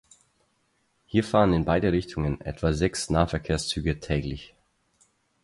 Hier fahren in beide Richtungen etwa sechs Nahverkehrszüge täglich.